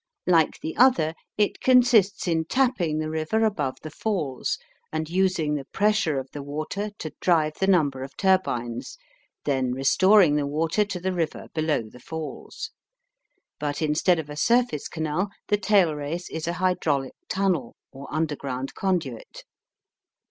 Like the other, it consists in tapping the river above the Falls, and using the pressure of the water to drive the number of turbines, then restoring the water to the river below the Falls; but instead of a surface canal, the tail race is a hydraulic tunnel or underground conduit.